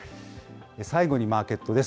最後にマーケットです。